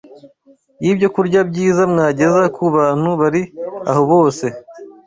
y’ibyokurya byiza mwageza ku bantu bari aho bose